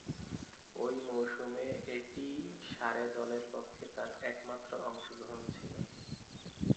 ঐ মৌসুমে এটিই সারে দলের পক্ষে তার একমাত্র অংশগ্রহণ ছিল।